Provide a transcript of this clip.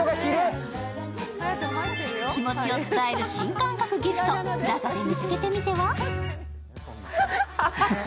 気持ちを伝える新感覚のギフト、ＰＬＡＺＡで見つけてみては？